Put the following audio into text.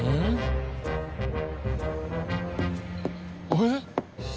えっ？